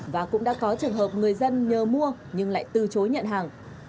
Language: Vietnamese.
và cũng đã có trường hợp người dân nhờ mua nhưng lại từ chối nhận hàng